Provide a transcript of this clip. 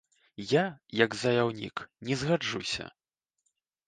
Я, як заяўнік, не згаджуся.